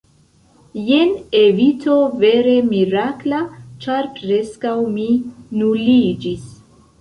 “Jen evito vere mirakla! Ĉar preskaŭ mi nuliĝis!”